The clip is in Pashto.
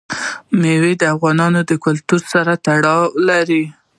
مېوې د افغان کلتور سره تړاو لري.